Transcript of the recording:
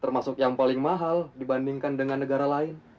termasuk yang paling mahal dibandingkan dengan negara lain